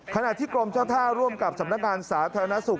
ขณะที่กรมเจ้าท่าร่วมกับสำนักงานสาธารณสุข